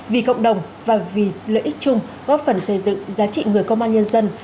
vì cộng đồng và vì lợi ích chung góp phần xây dựng giá trị người công an nhân dân